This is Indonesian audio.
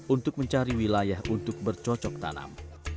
untuk mencari wilayah untuk bercocok tanam